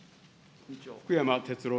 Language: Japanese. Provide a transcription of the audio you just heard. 福山哲郎